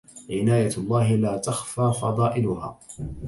عناية الله لا تخفى فضائلها